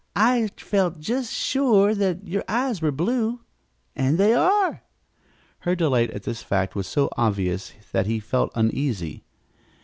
I felt just sure that your eyes were blue. And they are!" Her delight at this fact was so obvious that he felt uneasy.